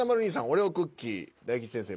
「オレオクッキー」大吉先生